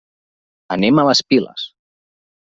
Anem a les Piles.